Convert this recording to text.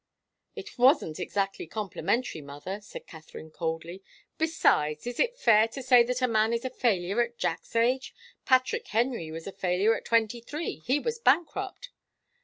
"It wasn't exactly complimentary, mother," said Katharine, coldly. "Besides, is it fair to say that a man is a failure at Jack's age? Patrick Henry was a failure at twenty three. He was bankrupt."